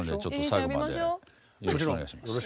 最後までよろしくお願いします。